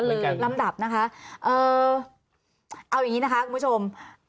เอาอย่างนี้นะคะคุณผู้ชม